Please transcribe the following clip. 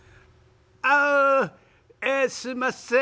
あえすいません。